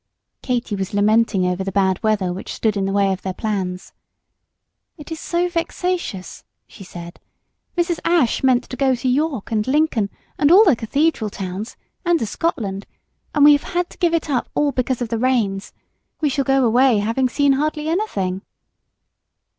Katy was lamenting over the bad weather which stood in the way of their plans. "It is so vexatious," she said. "Mrs. Ashe meant to go to York and Lincoln and all the cathedral towns and to Scotland; and we have had to give it all up because of the rains. We shall go away having seen hardly anything."